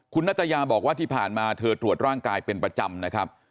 คุณนัตยาบอกว่าที่ผ่านมาเธอตรวจร่างกายเป็นประจำนะครับ